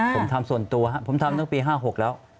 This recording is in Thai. ผมทำส่วนตัวครับผมทำตั้งปี๕๖แล้ว